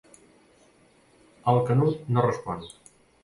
El Canut no respon.